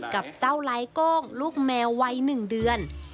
กับเจ้าไล้โก้งลูกแมววัย๑เดือน